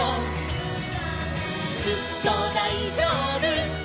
「ずっとだいじょうぶ」「」